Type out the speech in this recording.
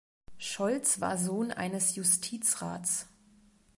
Scholz war Sohn eines Justizrats.